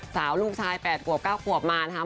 สาวลูกชาย๘กว่า๙ควบมานะครับ